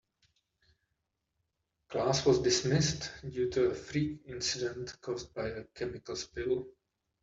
Class was dismissed due to a freak incident caused by a chemical spill.